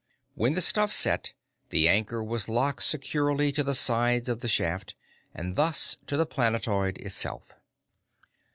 When the stuff set, the anchor was locked securely to the sides of the shaft and thus to the planetoid itself.